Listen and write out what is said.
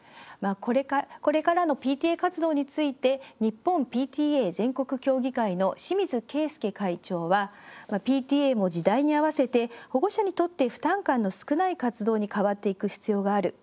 これからのＰＴＡ活動について日本ＰＴＡ全国協議会の清水敬介会長はＰＴＡも時代に合わせて保護者にとって負担感の少ない活動に変わっていく必要がある。